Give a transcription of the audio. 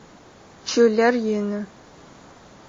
Чылэр ины.